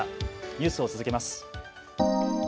ニュースを続けます。